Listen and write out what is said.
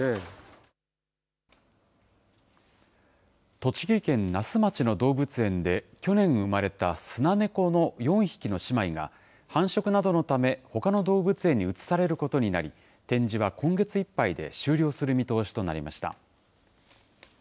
栃木県那須町の動物園で去年産まれたスナネコの４匹の姉妹が、繁殖などのため、ほかの動物園に移されることになり、展示は今月いっぱいで終了する見通しとなりました。